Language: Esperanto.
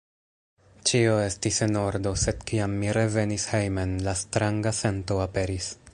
Ĉio estis en ordo, sed kiam mi revenis hejmen, la stranga sento aperis.